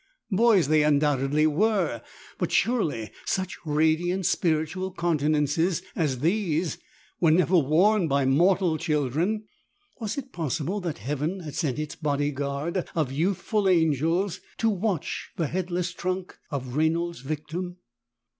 Boys they undoubtedly were, but surely such radiant spiritual countenances as these were never worn by mortal children ! Was it possible that Heaven had sent its bodyguard of youthful angels to watch the headless trunk of Rainald's victim?